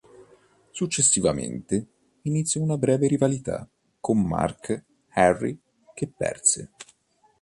Successivamente, iniziò una breve rivalità con Mark Henry che perse.